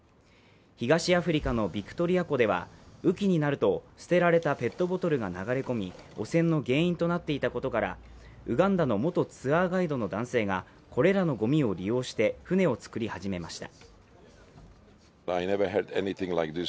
東アフリカのビクトリア湖では雨季になると捨てられたペットボトルが流れ込み、汚染の原因となっていたことからウガンダの元ツアーガイドの男性がこれらのごみを利用して船を造り始めました。